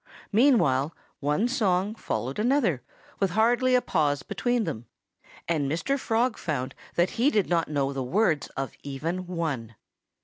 Meanwhile one song followed another with hardly a pause between them. And Mr. Frog found that he did not know the words of even one.